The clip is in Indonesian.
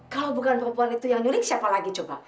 kalau bukan perempuan itu yang nyuling siapa lagi coba